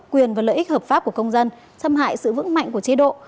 quyền và lợi ích hợp pháp của công dân xâm hại sự vững mạnh của chế độ